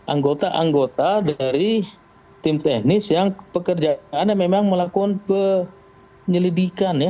anggota anggota dari tim teknis yang pekerjaan yang memang melakukan penyelidikan ya